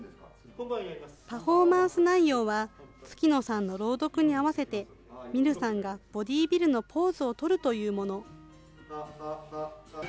パフォーマンス内容は、月乃さんの朗読に合わせて、ｍｉｒｕさんがボディビルのポーズを取るというもの。